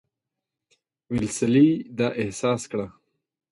ویلسلي دا احساس کړه.